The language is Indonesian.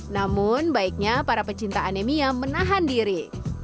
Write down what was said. namun baiknya para pecinta anemia menahan diri